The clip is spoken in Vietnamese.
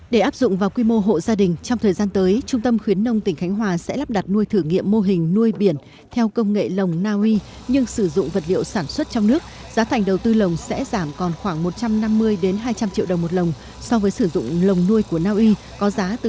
để áp dụng vào quy mô hộ gia đình trong thời gian tới trung tâm khuyến nông tỉnh khánh hòa sẽ lắp đặt nuôi thử nghiệm mô hình nuôi biển theo công nghệ lồng naui nhưng sử dụng vật liệu sản xuất trong nước